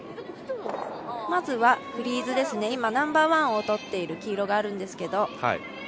まずはフリーズですね、ナンバーワンを取っている黄色があるんですけど